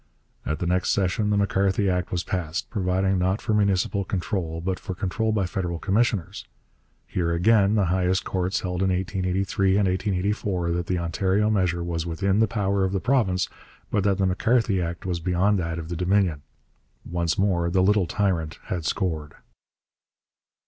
At the next session the M'Carthy Act was passed, providing, not for municipal control, but for control by federal commissioners. Here again the highest courts held in 1883 and 1884 that the Ontario measure was within the power of the province, but that the M'Carthy Act was beyond that of the Dominion. Once more 'the little tyrant' had scored!